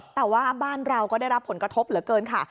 แต่ว่าบ้านเราก็ได้รับผลกระทบเหลือเกินค่ะ